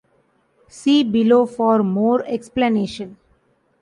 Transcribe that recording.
See below for more explanation.